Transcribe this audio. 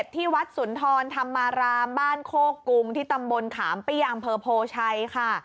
ที่วัดสุนทรธรรมารามบ้านโคกรุงที่ตำบลขามเปี้ยอำเภอโพชัยค่ะ